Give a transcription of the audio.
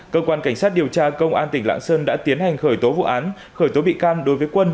cơ quan cảnh sát điều tra công an tỉnh lạng sơn đã tiến hành khởi tố vụ án khởi tố bị can đối với quân